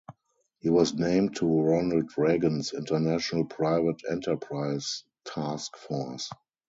He was named to Ronald Reagan’s International Private Enterprise Task Force.